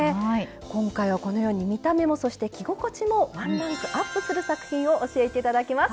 今回はこのように見た目もそして着心地もワンランクアップする作品を教えていただきます！